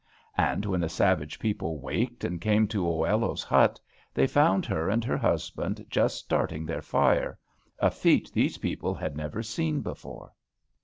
And when the savage people waked and came to Oello's hut, they found her and her husband just starting their fire, a feat these people had never seen before.